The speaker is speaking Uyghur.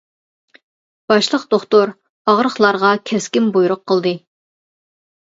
باشلىق دوختۇر ئاغرىقلارغا كەسكىن بۇيرۇق قىلدى.